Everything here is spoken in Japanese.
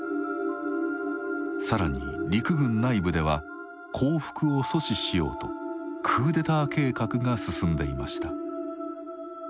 更に陸軍内部では降伏を阻止しようとクーデター計画が進んでいました。